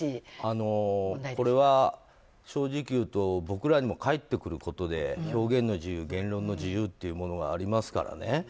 これは正直言うと僕らにも返ってくることで表現の自由言論の自由というものがありますからね。